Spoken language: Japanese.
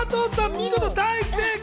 見事大正解！